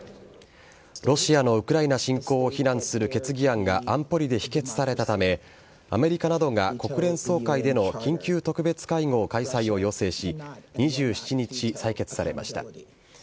ロシアのウクライナ侵攻を非難する決議案が安保理で否決されたため、アメリカなどが国連総会での緊急特別会合開催を要請し、２７日、採決されました。